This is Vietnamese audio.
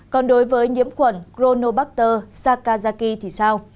còn đối với nhiễm khuẩn chronobacter sakazaki thì sao